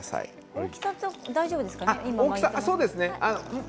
大きさは大丈夫ですか。